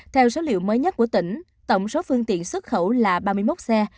theo số liệu mới nhất của tỉnh tổng số phương tiện xuất khẩu là ba mươi một xe